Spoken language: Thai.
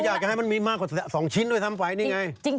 อยากจะให้มันมีมากกว่า๒ชิ้นด้วยซ้ำไปนี่ไง